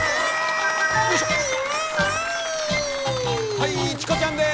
はいチコちゃんです